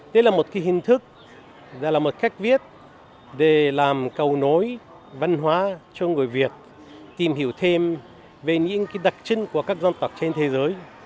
đây là một hình thức là một cách viết để làm cầu nối văn hóa cho người việt tìm hiểu thêm về những đặc trưng của các dân tộc trên thế giới